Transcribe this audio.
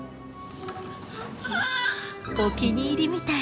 お気に入りみたい。